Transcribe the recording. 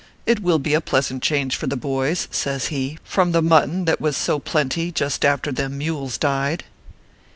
It will be a pleasant change for the boys," says he, "from the mutton that was so plenty just after them mules died."